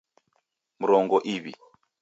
Mrongo iw'i